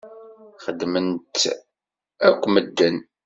Xedmen-tt akk medden.